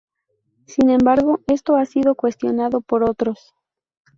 Sin embargo, esto ha sido cuestionado por otros.